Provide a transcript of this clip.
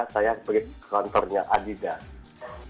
saya beli kontornya adidas